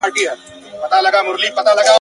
ورځ به په خلوت کي د ګناه د حسابو نه وي !.